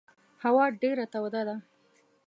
هوا ډېره توده ده.